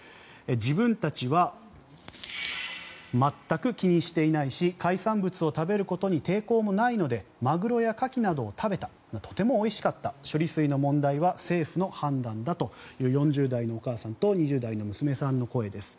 自分たちは全く気にしていないし海産物を食べることに抵抗もないのでマグロやカキなどを食べたとてもおいしかった処理水の問題は政府の判断だという４０代のお母さんと２０代の娘さんの声です。